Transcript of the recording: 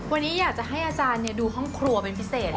วันนี้อยากจะให้อาจารย์ดูห้องครัวเป็นพิเศษ